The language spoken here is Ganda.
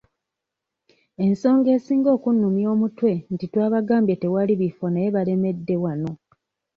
Ensonga esinga okunnumya omutwe nti twabagambye twewali bifo naye balemedde wano.